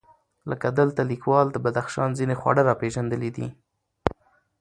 لکه دلته لیکوال د بدخشان ځېنې خواړه راپېژندلي دي،